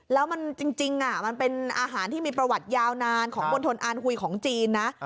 แล้วมันจริงอาหารที่มีประวัติยาวนานของบนธนอารไฮวีของจีนนะ